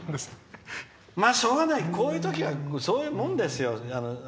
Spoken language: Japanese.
まあ、しょうがない！こういう時はそういうもんですよ。